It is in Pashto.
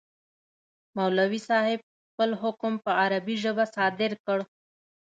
مولوي صاحب خپل حکم په عربي ژبه صادر کړ.